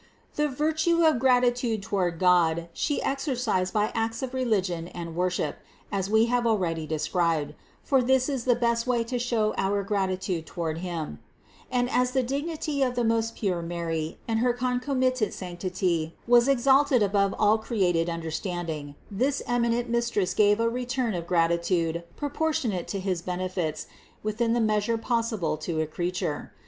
The virtue of gratitude toward God She exercised by acts of religion and worship, as we have already described : for this is the best way to show our gratitude toward Him: and as the dignity of the most pure Mary and her concomitant sanctity was exalt ed above all created understanding, this eminent Mistress gave a return of gratitude proportionate to his benefits 436 CITY OF GOD within the measure possible to a creature.